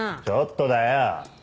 ちょっとだよ。